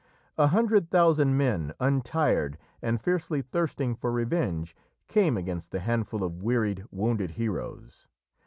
A hundred thousand men, untired, and fiercely thirsting for revenge, came against the handful of wearied, wounded heroes.